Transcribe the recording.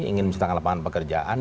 ingin menciptakan lapangan pekerjaan